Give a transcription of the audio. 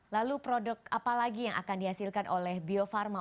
lalu produk apa lagi yang akan dihasilkan oleh bio farma